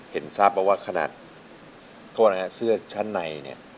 เห็นทราบว่าว่าขนาดเข้าหน้าเสื้อชั้นใน